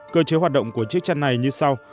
cơ chế hoạt động của chiếc chăn này như sau